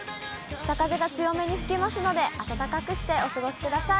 北風が強めに吹きますので、暖かくしてお過ごしください。